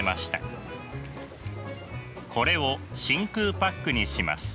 これを真空パックにします。